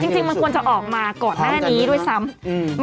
จริงมันควรจะออกมาก่อนแม่นี้ด้วยซัง